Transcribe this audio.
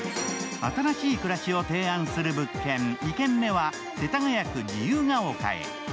新しい暮らしを提案する物件、２軒目は世田谷区自由が丘へ。